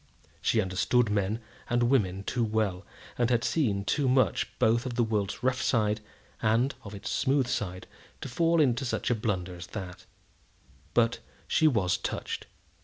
She understood men and women too well, and had seen too much both of the world's rough side and of its smooth side to fall into such a blunder as that; but she was touched.